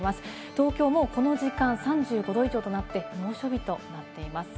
東京はもうこの時間、３５度以上となって猛暑日となっています。